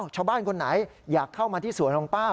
คนไหนอยากเข้ามาที่สวนของป้า